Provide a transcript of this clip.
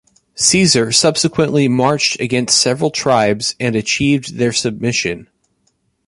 Caesar subsequently marched against several tribes and achieved their submission.